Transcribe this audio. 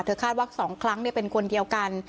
คาดว่า๒ครั้งเป็นคนเดียวกัน